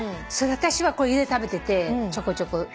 私は家で食べててちょこちょこ。